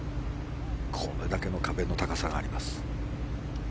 これだけの壁の高さがあります。